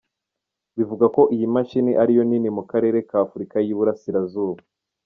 Bivugwa ko iyi mashini ariyo nini mu Karere ka Afurika y’i Burasirazuba.